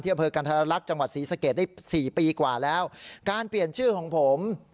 อำเภอกันธรรลักษณ์จังหวัดศรีสะเกดได้สี่ปีกว่าแล้วการเปลี่ยนชื่อของผม